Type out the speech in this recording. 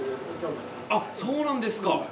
そうなんですか！